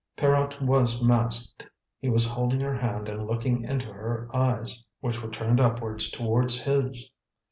Pierrot was masked; he was holding her hand and looking into her eyes, which were turned upwards towards his.